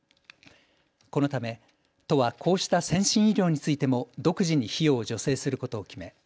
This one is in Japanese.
このため都はこうした先進医療についても独自に費用を助成することを決め